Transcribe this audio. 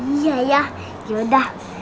iya ya yaudah